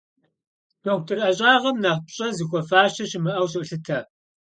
Дохутыр ӏэщӏагъэм нэхъ пщӏэ зыхуэфащэ щымыӏэу солъытэ.